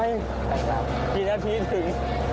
๑๐ไมค์กี่นาทีถึง